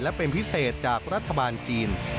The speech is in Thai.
และเป็นพิเศษจากรัฐบาลจีน